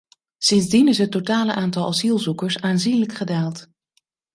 Sindsdien is het totale aantal asielzoekers aanzienlijk gedaald.